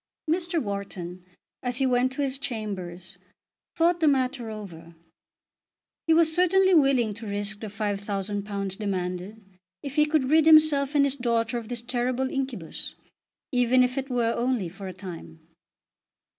Mr. Wharton as he went to his chambers thought the matter over. He was certainly willing to risk the £5000 demanded if he could rid himself and his daughter of this terrible incubus, even if it were only for a time.